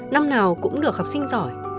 năm nào cũng được học sinh giỏi